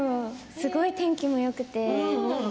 すごく天気がよくて。